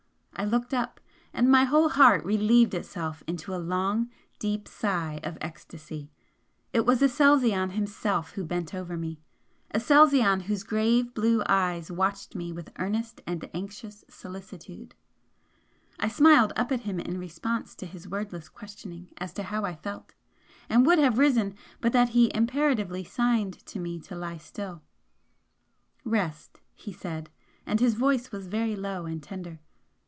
I looked up and my whole heart relieved itself in a long deep sigh of ecstasy! it was Aselzion himself who bent over me, Aselzion whose grave blue eyes watched me with earnest and anxious solicitude. I smiled up at him in response to his wordless questioning as to how I felt, and would have risen but that he imperatively signed to me to lie still. "Rest!" he said, and his voice was very low and tender.